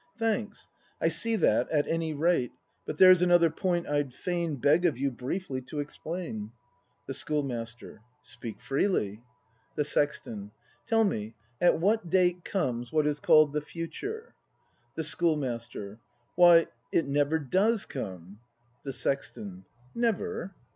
Thanks; I see that at any rate; But there's another point I'd fain Beg of you briefly to explain. The Schoolmaster. Speak freely. ACT V] BRAND 217 The Sexton. Tell me, at what date Comes, what is call'd the future ? The Schoolmaster Why, It never does come! The Sexton. Never